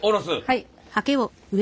はい。